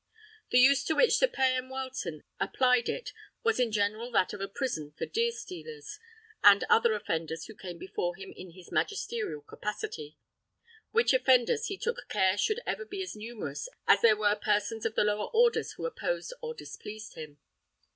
The use to which Sir Payan Wileton applied it was in general that of a prison for deer stealers and other offenders who came before him in his magisterial capacity, which offenders he took care should ever be as numerous as there were persons of the lower orders who opposed or displeased him.